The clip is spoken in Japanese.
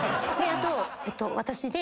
あと私で。